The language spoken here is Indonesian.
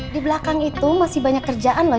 di belakang itu masih banyak kerjaan loh